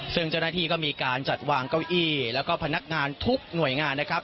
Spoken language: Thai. ซึ่งเจ้าหน้าที่ก็มีการจัดวางเก้าอี้แล้วก็พนักงานทุกหน่วยงานนะครับ